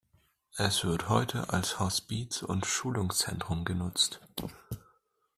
Es wird heute als Hospiz und Schulungszentrum genutzt.